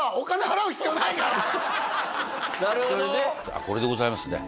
あっこれでございますね